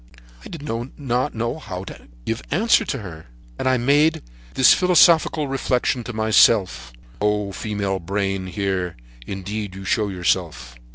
"I did not know what answer to give her, and I made this philosophical reflection to myself: 'Oh! female brain, here; indeed, you show yourself!'